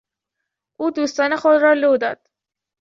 او دوستان خود را لو داد.